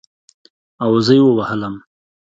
او زه به يې ووهلم.